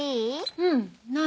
うん何？